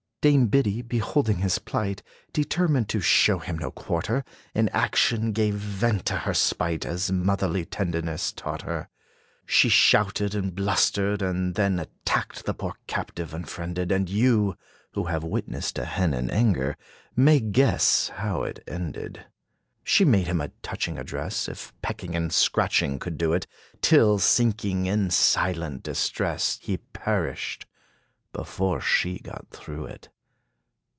Dame Biddy, beholding his plight, Determined to show him no quarter, In action gave vent to her spite; As motherly tenderness taught her. She shouted, and blustered; and then Attacked the poor captive unfriended; And you, (who have witnessed a hen In anger,) may guess how it ended. She made him a touching address, If pecking and scratching could do it, Till, sinking in silent distress, He perished before she got through it.